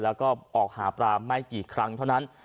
แล้วก็ออกหาปลาไม่กี่ครั้งเท่านั้น